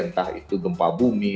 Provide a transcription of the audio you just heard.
entah itu gempa bumi